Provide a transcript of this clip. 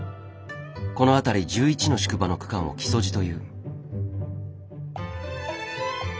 この辺り１１の宿場の区間を「木曽路」という。